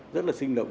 rất là sinh động